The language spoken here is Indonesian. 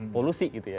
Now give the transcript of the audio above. polusi gitu ya